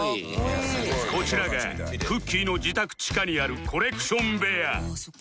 こちらがくっきー！の自宅地下にあるコレクション部屋